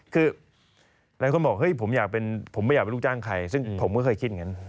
คือหลายคนบอกผมไม่อยากเป็นลูกจ้างใครซึ่งผมก็เคยคิดอย่างนั้น